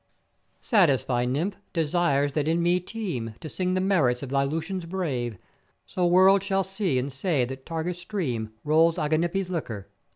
Satisfy, Nymph! desires that in me teem, to sing the merits of thy Lusians brave; so worlds shall see and say that Tagus stream rolls Aganippe's liquor.